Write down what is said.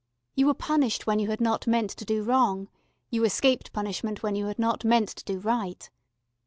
You were punished when you had not meant to do wrong: you escaped punishment when you had not meant to do right.